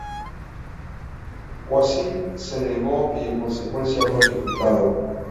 Qasim se negó y en consecuencia fue ejecutado.